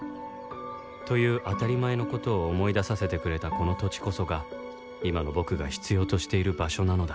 という当たり前の事を思い出させてくれたこの土地こそが今の僕が必要としている場所なのだ